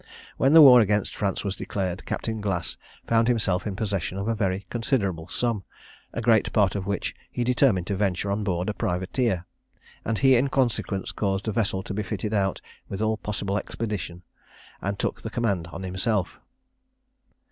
When the war against France was declared, Captain Glass found himself in possession of a very considerable sum, a great part of which he determined to venture on board a privateer; and he, in consequence, caused a vessel to be fitted out with all possible expedition, and took the command on himself.